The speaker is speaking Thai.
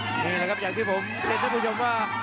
นี่แหละครับอย่างที่ผมเรียนท่านผู้ชมว่า